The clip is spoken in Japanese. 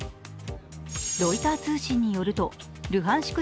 ロイター通信によるとルハンシク